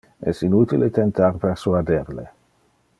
Es inutile tentar persuader le.